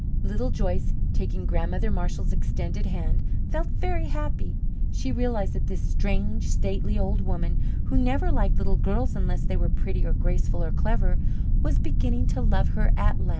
Little Joyce, taking Grandmother Marshall's extended hand, felt very happy. She realized that this strange, stately old lady, who never liked little girls unless they were pretty or graceful or clever, was beginning to love her at last.